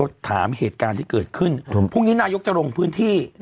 วันนี้ก็ถามเกิดขึ้นพรุ่งนี้นายกจะลงพื้นที่